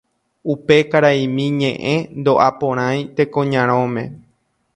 Upe karaimi ñe'ẽ ndo'aporãi Tekoñarõme